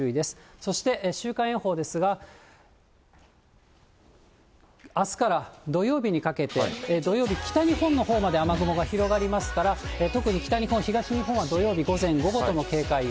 そして週間予報ですが、あすから土曜日にかけて、土曜日、北日本のほうまで雨雲が広がりますから、特に北日本、東日本は土曜日、午前、午後とも警戒を。